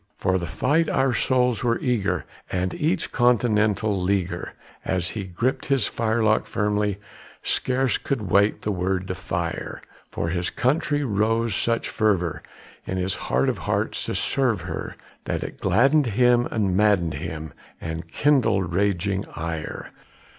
For the fight our souls were eager, and each Continental leaguer, As he gripped his firelock firmly, scarce could wait the word to fire; For his country rose such fervor, in his heart of hearts, to serve her, That it gladdened him and maddened him and kindled raging ire.